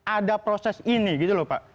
ada proses ini gitu loh pak